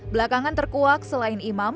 belakangan terkuak selain imam